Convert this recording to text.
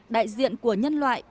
đại diện của nhân loại